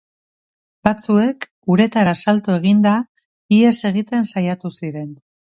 Batzuek uretara salto eginda ihes egiten saiatu ziren.